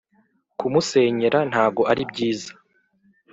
kumusenyera ntago ari byiza